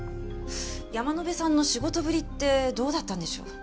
山野辺さんの仕事ぶりってどうだったんでしょう？